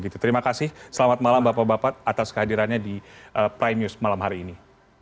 terima kasih selamat malam bapak bapak atas kehadirannya di prime news malam hari ini